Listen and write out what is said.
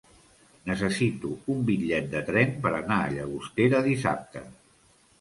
Necessito un bitllet de tren per anar a Llagostera dissabte.